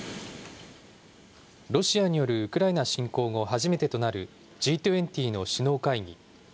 ロシアによるウクライナ侵攻後初めてとなるＧ２０の首脳会議。